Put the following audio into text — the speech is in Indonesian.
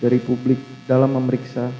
dari publik dalam memeriksa